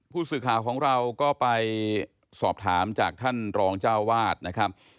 ผู้สื่อข่าวของเราก็ไปสอบถามจากท่านรองเจ้าวาดนะครับ